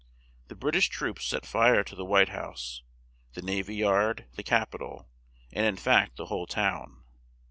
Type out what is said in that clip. The Brit ish troops set fire to the White House, the na vy yard, the Cap i tol, and in fact the whole town.